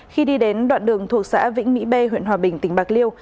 khi đi đến đoạn đường thuộc xã vĩnh mỹ b huyện hòa bình tỉnh bạc liêu